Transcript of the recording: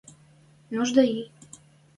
Нужда и.